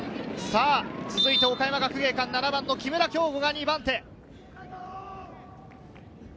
続いて、岡山学芸館、７番の木村匡吾が２番手。